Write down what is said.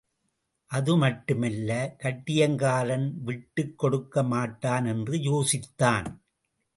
அதுமட்டுமல்ல கட்டியங்காரன் விட்டுக் கொடுக்க மாட்டான் என்று யோசித்தான்.